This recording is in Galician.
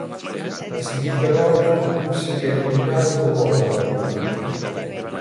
Na seguinte rolda o club sería eliminado polo Obradoiro.